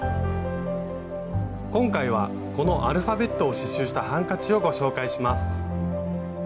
今回はこのアルファベットを刺しゅうしたハンカチをご紹介します。